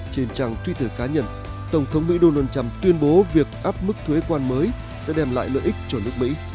trên trang twitter cá nhân tổng thống mỹ donald trump tuyên bố việc áp mức thuế quan mới sẽ đem lại lợi ích cho nước mỹ